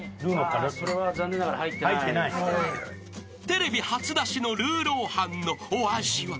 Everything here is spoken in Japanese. ［テレビ初出しのルーロー飯のお味は］